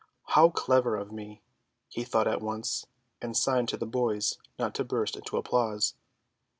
"How clever of me!" he thought at once, and signed to the boys not to burst into applause.